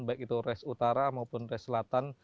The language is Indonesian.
baik itu res utara maupun res selatan